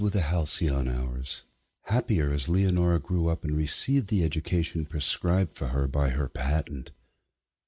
These were halcyon hours, happier as Leonora grew up and received the education prescribed for her by her parent.